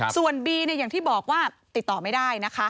ส่วนบีเนี่ยอย่างที่บอกว่าติดต่อไม่ได้